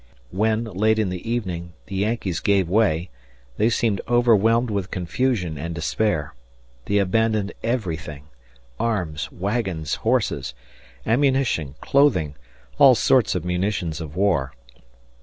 When, late in the evening, the Yankees gave way, they seemed overwhelmed with confusion and despair. They abandoned everything arms, wagons, horses, ammunition, clothing, all sorts of munitions of war.